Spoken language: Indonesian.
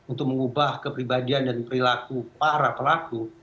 untuk mengubah kepribadian dan perilaku para pelaku